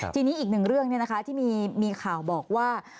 ทีนี้อีกหนึ่งเรื่องที่มีข่าวบอกว่า